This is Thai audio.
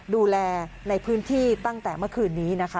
ดูแลในพื้นที่ตั้งแต่เมื่อคืนนี้นะคะ